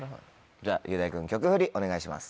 じゃ雄大君曲フリお願いします。